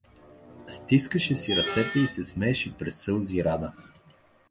— стискаше си ръцете и се смееше през сълзи Рада.